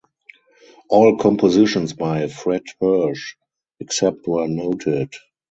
All compositions by Fred Hersch except where noted.